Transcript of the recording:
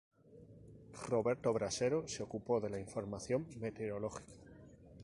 Roberto Brasero se ocupó de la información meteorológica.